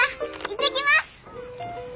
行ってきます！